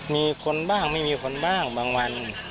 มีคนบ้างไม่มีคนบ้างบางวัน